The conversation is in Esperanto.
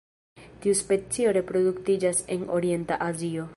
Tiu specio reproduktiĝas en orienta Azio.